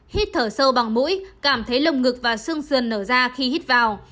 hít thở sâu bằng mũi cảm thấy lồng ngực và xương sườn nở ra khi hít vào